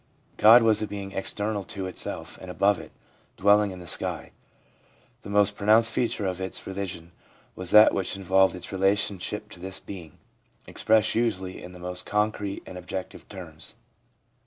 God was a being external to itself and above it, dwelling in the sky. The most pro nounced feature of its religion was that which involved its relationship to this Being, expressed usually in the most concrete and objective terms.